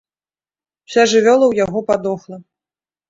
Уся жывёла ў яго падохла.